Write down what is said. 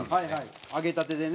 揚げたてでね。